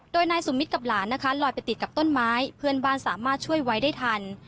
โดยนายสุมิตรกับหลานนะคะลอยไปติดกับต้นไม้เพื่อนบ้านสามารถช่วยไว้ได้ทัน